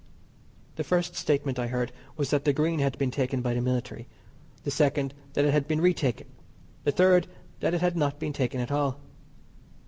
The first statement I heard was that the Green had been taken by the military; the second that it had been re taken; the third that it had not been taken at all.